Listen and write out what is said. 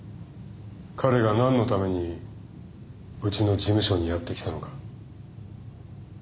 彼が何のためにうちの事務所にやって来たのか。